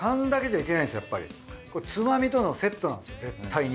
これつまみとのセットなんですよ絶対に。